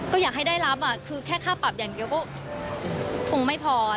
ก็อยากให้ได้รับคือแค่ค่าปรับอย่างเดียวก็คงไม่พอ